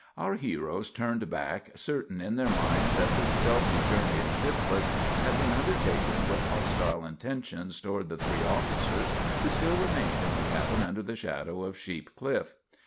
Our heroes turned back, certain in their minds that this stealthy journey of Shifless had been undertaken with hostile intentions toward the three officers who still remained in the cabin under the shadow of Sheep Cliff.